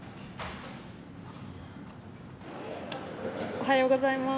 おはようございます。